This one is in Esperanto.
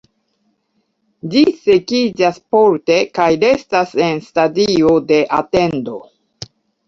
Ĝi sekiĝas porte kaj restas en stadio de atendo.